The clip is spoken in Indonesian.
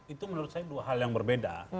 itu menurut saya dua hal yang berbeda